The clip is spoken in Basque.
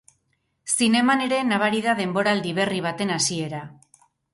Zineman ere nabari da denboraldi berri baten hasiera.